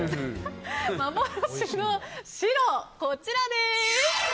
幻の白、こちらです。